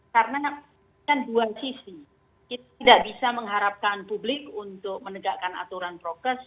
karena kan dua sisi kita tidak bisa mengharapkan publik untuk menegakkan aturan progres